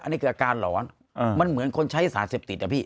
อันนี้คืออาการหลอนมันเหมือนคนใช้สารเสพติดอะพี่